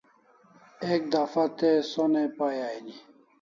Ek dafa te sonai pai aini